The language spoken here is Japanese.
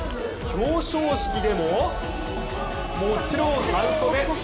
表彰式でも、もちろん半袖。